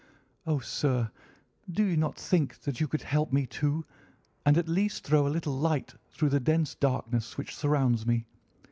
Oh, sir, do you not think that you could help me, too, and at least throw a little light through the dense darkness which surrounds me?